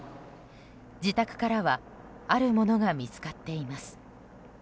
自宅からはあるものが見つかっています。